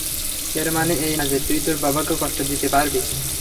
এর মানে এই না যে, তুই তোর বাবাকে কষ্ট দিতে পারবি।